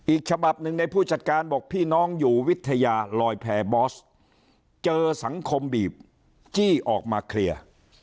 อีกฉบับหนึ่งในผู้จัดการบอกพี่น้องอยู่วิทยาลอยแพรบอสเจอสังคมบีบจี้ออกมาเคลียร์